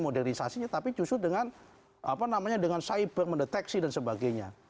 modernisasinya tapi justru dengan cyber mendeteksi dan sebagainya